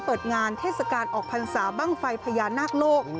เปิดงานเทศกาลออกพรรษาบ้างไฟพญานาคโลก